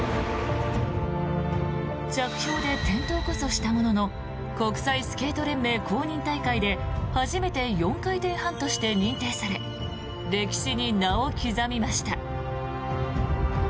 着氷で転倒こそしたものの国際スケート連盟公認大会で初めて４回転半として認定され歴史に名を刻みました。